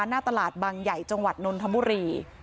หน้าตลาดบางใหญ่จังหวัดนนทบุรี